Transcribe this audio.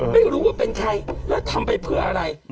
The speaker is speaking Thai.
ไม่รู้ว่าเป็นใครแล้วทำไปเพื่ออะไร